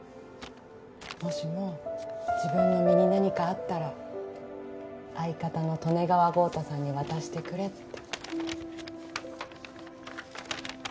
もしも自分の身に何かあったら相方の利根川豪太さんに渡してくれって。